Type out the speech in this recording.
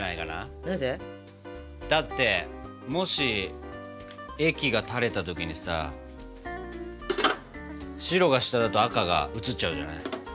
なぜ？だってもし液がたれた時にさ白が下だと赤がうつっちゃうじゃない？